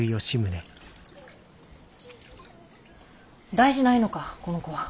大事ないのかこの子は？